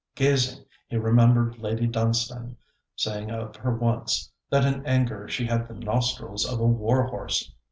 Gazing, he remembered Lady Dunstane saying of her once, that in anger she had the nostrils of a war horse.